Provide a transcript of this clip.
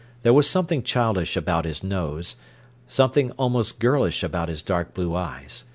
There was something childish about his nose, something almost girlish about his dark blue eyes.